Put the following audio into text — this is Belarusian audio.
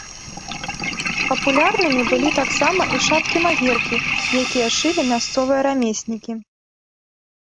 Папулярнымі былі таксама і шапкі-магеркі, якія шылі мясцовыя рамеснікі.